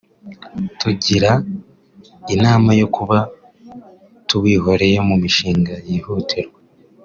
batugira inama yo kuba tuwihoreye mu mishinga yihutirwa